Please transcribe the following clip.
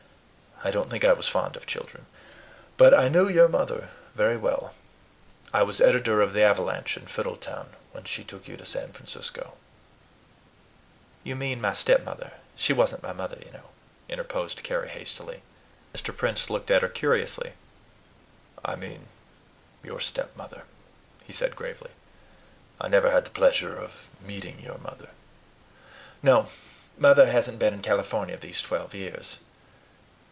I don't think I was fond of children. But I knew your mother very well. I was editor of the AVALANCHE in Fiddletown when she took you to San Francisco." "You mean my stepmother; she wasn't my mother, you know," interposed Carry hastily. Mr. Prince looked at her curiously. "I mean your stepmother," he said gravely. "I never had the pleasure of meeting your mother." "No; MOTHER hasn't been in California these twelve years."